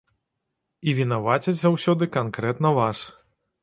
І вінавацяць заўсёды канкрэтна вас.